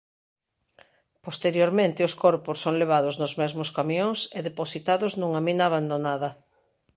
Posteriormente os corpos son levados nos mesmos camións e depositados nunha mina abandonada.